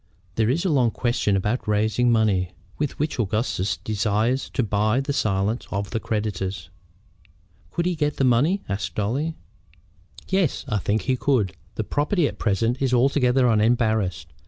"There is a long question about raising money with which Augustus desires to buy the silence of the creditors." "Could he get the money?" asked Dolly. "Yes, I think he could. The property at present is altogether unembarrassed.